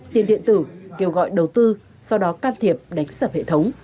tiền điện tử kêu gọi đầu tư sau đó can thiệp đánh sập hệ thống